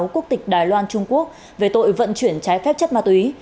quốc tịch đài loan trung quốc về tội vận chuyển trái phép chất ma túy